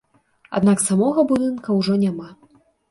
Аднак самога будынка ўжо няма.